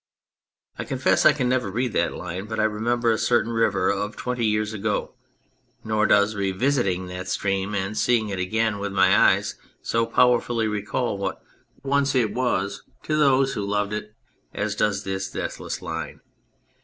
I confess I can never read that line but I remem ber a certain river of twenty years ago, nor does revisiting that stream and seeing it again with my eyes so powerfully recall what once it was to those who loved it as does this deathless line.